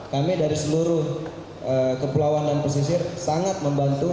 kami dari seluruh kepulauan dan pesisir sangat membantu